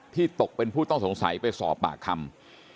ตกเป็นผู้ต้องสงสัยไปสอบปากคำ